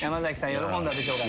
喜んだでしょうから。